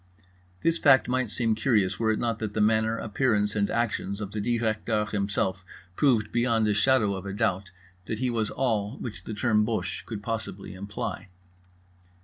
This fact might seem curious were it not that the manner, appearance and actions of the Directeur himself proved beyond a shadow of a doubt that he was all which the term Boche could possibly imply.